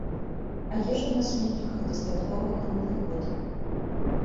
А ежы на сметніках дастаткова круглы год.